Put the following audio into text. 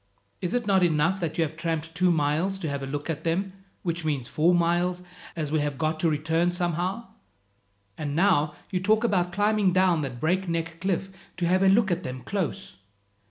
Is it not enough that you have tramped two miles to have a look at them, which means four miles, as we have got to return somehow? And now you talk about climbing down that break neck cliff to have a look at them close!"